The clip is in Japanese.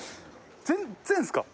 全然ですか？